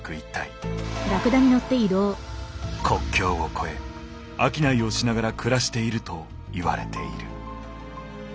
国境を越え商いをしながら暮らしているといわれている。